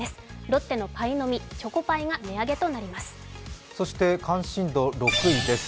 ロッテのパイの実、チョコパイが値上げとなります。